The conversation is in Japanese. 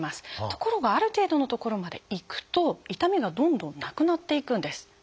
ところがある程度のところまでいくと痛みがどんどんなくなっていくんです。